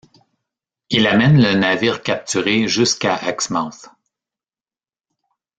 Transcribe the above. Il emmène le navire capturé jusqu’à Exmouth.